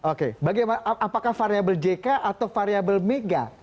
oke apakah variabel jk atau variabel mk